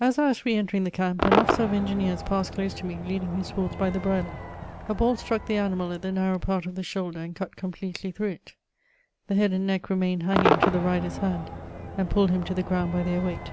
As I was re entering the camp, an officer of engineers passed dose to me, leading jiis horse by the bridle ; a htM struds the animal at the narrow part of the shoulder and cut completely through it ; the head and neck remained hanging to the ridei^s hand, and pulled him to the ground by their weight.